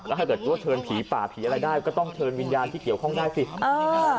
ก็ให้แต่ตัวเชิญผีป่าผีอะไรได้ก็ต้องเชิญวิญญาณที่เกี่ยวข้องได้สิเออ